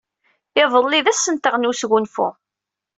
Iḍelli d ass-nteɣ n wesgunfu.